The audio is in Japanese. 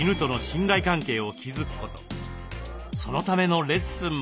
そのためのレッスンも。